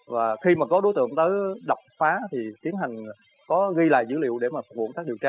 và khi mà có đối tượng đó đập phá thì tiến hành có ghi lại dữ liệu để mà phục vụ các điều tra